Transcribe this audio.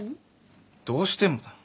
どうしてもだ。